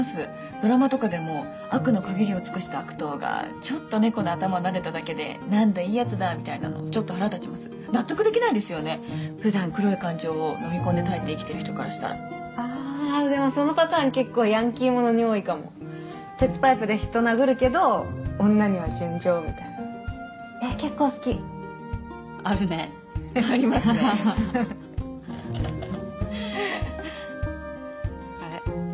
ドラマとかでも悪のかぎりを尽くした悪党がちょっと猫の頭なでただけでなんだいいやつだみたいなのちょっと腹立ちます納得できないですよねふだん黒い感情を飲み込んで耐えて生きてる人からしたらああーでもそのパターン結構ヤンキーものに多いかも鉄パイプで人殴るけど女には純情みたいなえっ結構好きあるねありますねあれ？